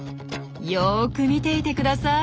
よく見ていてください。